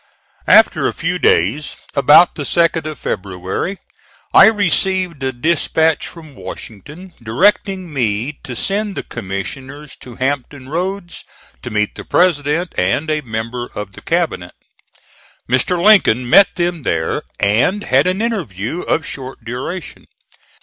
After a few days, about the 2d of February, I received a dispatch from Washington, directing me to send the commissioners to Hampton Roads to meet the President and a member of the cabinet. Mr. Lincoln met them there and had an interview of short duration.